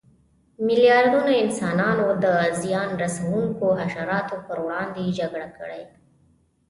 میلیاردونه انسانانو د زیان رسونکو حشراتو پر وړاندې جګړه کړې.